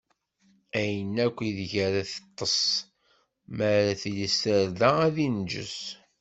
Ayen akk ideg ara teṭṭeṣ mi ara tili s tarda, ad inǧes.